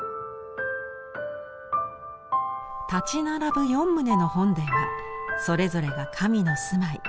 立ち並ぶ四棟の本殿はそれぞれが神の住まい。